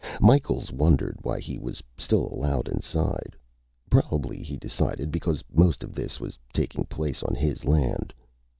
Micheals wondered why he was still allowed inside. Probably, he decided, because most of this was taking place on his land.